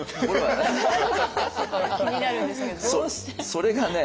それがね